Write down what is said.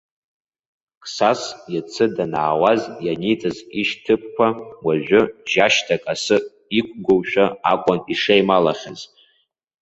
Қсас, иацы данаауаз ианиҵаз ишьҭыԥқәа, уажәы, жьашьҭак асы иқәгоушәа акәын ишеималахьаз.